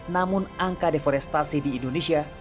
namun angka deforestasi di indonesia